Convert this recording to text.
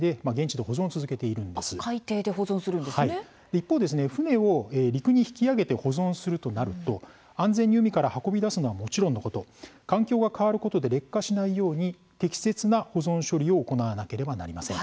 一方船を陸に引き揚げて保存するとなると安全に海から運び出すのはもちろんのこと環境が変わることで劣化しないように適切な保存処理を行わなければなりません。